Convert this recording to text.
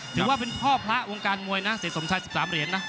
ถือว่าเป็นพ่อพระวงการมวยนะเสียสมชาย๑๓เหรียญนะ